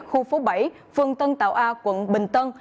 khu phố bảy phương tân tàu a quận bình tân